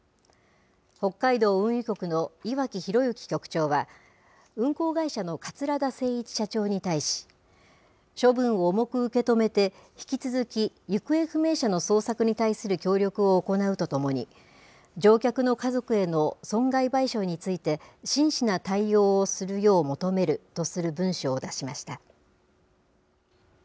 北海道運輸局の岩城宏幸局長は、運航会社の桂田精一社長に対し、処分を重く受け止めて、引き続き行方不明者の捜索に対する協力を行うとともに、乗客の家族への損害賠償について、真摯な対応をするよう求めるとする文書を出しました。